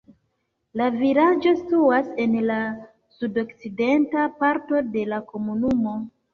La vilaĝo situas en la sudokcidenta parto de la komunumo.